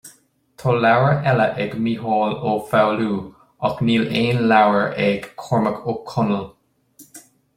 Tá leabhar eile ag Mícheál Ó Foghlú, ach níl aon leabhar ag Cormac Ó Conaill